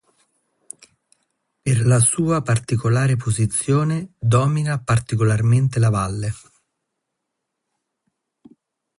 Per la sua particolare posizione domina particolarmente la valle.